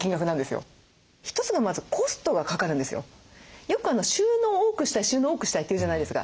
よく収納を多くしたい収納を多くしたいって言うじゃないですか。